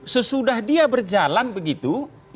sesudah dia berjalan begitu